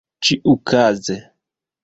ĉiukaze